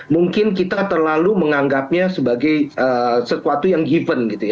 mungkin kita terlalu menganggapnya sebagai sesuatu yang given